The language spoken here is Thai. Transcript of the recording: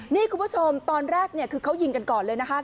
นี่คุณผู้ชมตอนแรกเนี่ยคือเขายิงกันก่อนเลยนะคะ